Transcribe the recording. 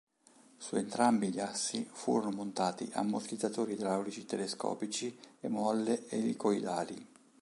Su entrambi gli assi furono montati ammortizzatori idraulici telescopici e molle elicoidali.